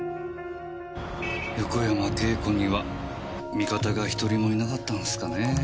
横山慶子には味方が１人もいなかったんですかねぇ。